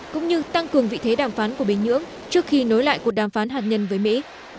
cũng như tăng cường vị thế đàm phán của bình nhưỡng trước khi nối lại cuộc đàm phán hạt nhân với mỹ